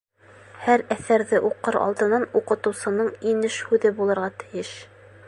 Һәр әҫәрҙе уҡыр алдынан уҡытыусының инеш һүҙе булырға тейеш.